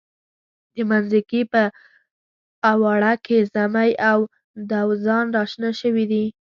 د منځکي په اواړه کې زمۍ او دوزان را شنه شوي دي.